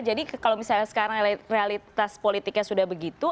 jadi kalau misalnya sekarang realitas politiknya sudah begitu